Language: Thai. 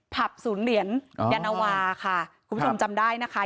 ผับศูนย์เหรียญยานวาค่ะคุณผู้ชมจำได้นะคะ